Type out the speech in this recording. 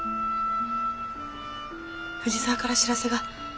藤沢から知らせが。